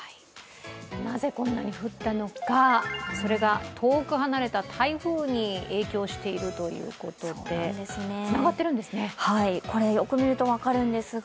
なぜこんなに降ったのか、それが遠く離れた台風に影響しているということでつながってるんですね。